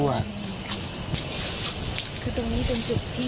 คือตรงนี้เป็นจุดที่เขาอาจจะมีกัน